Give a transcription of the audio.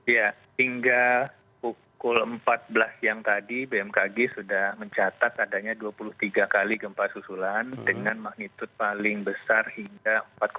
ya hingga pukul empat belas yang tadi bmkg sudah mencatat adanya dua puluh tiga kali gempa susulan dengan magnitud paling besar hingga empat